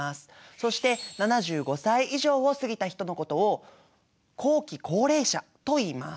そして７５歳以上を過ぎた人のことを後期高齢者といいます。